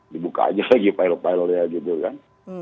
dibuka aja lagi file file ya gitu kan